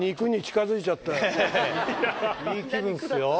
いい気分ですよ。